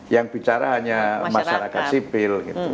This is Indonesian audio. dan diperbicara hanya masyarakat sipil